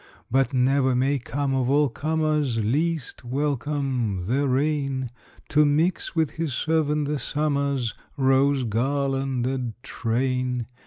But never may come, of all comers Least welcome, the rain, To mix with his servant the summer's Rose garlanded train!